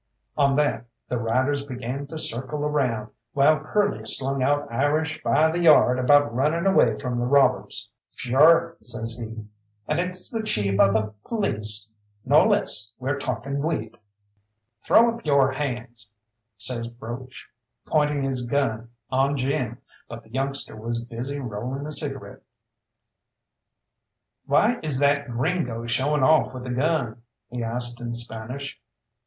On that the riders began to circle around, while Curly slung out Irish by the yard about running away from the robbers. "Shure," says he, "and it's the Chief of the Police no less we're talkin' wid." "Throw up your hands!" says Broach, pointing his gun on Jim, but the youngster was busy rolling a cigarette. "Why is that gringo showing off with a gun?" he asked in Spanish.